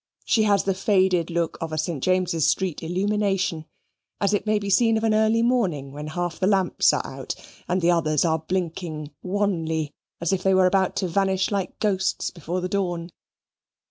She has the faded look of a St. James's Street illumination, as it may be seen of an early morning, when half the lamps are out, and the others are blinking wanly, as if they were about to vanish like ghosts before the dawn.